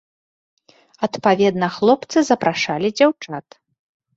Адпаведна хлопцы запрашалі дзяўчат.